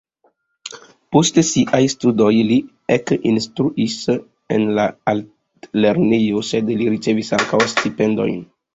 Post siaj studoj li ekinstruis en la altlernejo, sed li ricevis ankaŭ stipendion.